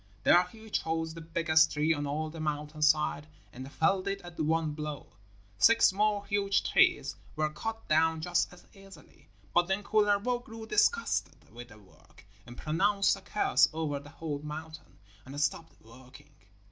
There he chose the biggest tree on all the mountain side and felled it at one blow. Six more huge trees were cut down just as easily, but then Kullervo grew disgusted with the work, and pronounced a curse over the whole mountain, and stopped working.